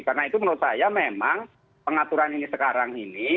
karena itu menurut saya memang pengaturan ini sekarang ini